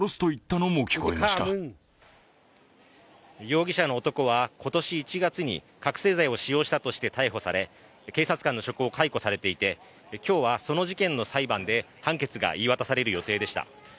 容疑者の男は今年１月に覚醒剤を使用したとして逮捕され、警察官の職を解雇されていて今日はその事件の裁判で判決が言い渡される予定でした。